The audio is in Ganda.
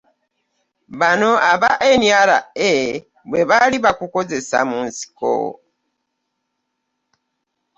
Bano aba NRA bwe baali bakozesa mu nsiko.